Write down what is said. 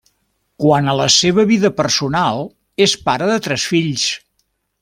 Quant a la seva vida personal, és pare de tres fills.